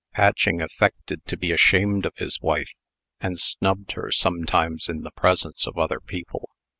Patching affected to be ashamed of his wife, and snubbed her sometimes in the presence of other people.